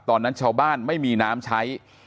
ตอนนั้นชาวบ้านไม่มีน้ำใช้